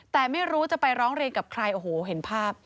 แต่ไม่รู้จะไปร้องเรียนกับใครโอ้โหเห็นภาพ